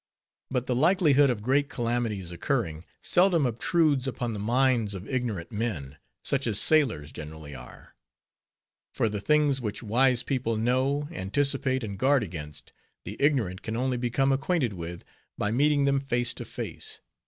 But the likelihood of great calamities occurring, seldom obtrudes upon the minds of ignorant men, such as sailors generally are; for the things which wise people know, anticipate, and guard against, the ignorant can only become acquainted with, by meeting them face to face.